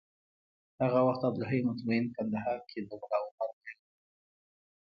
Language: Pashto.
هغه وخت عبدالحی مطمین کندهار کي د ملا عمر ویاند و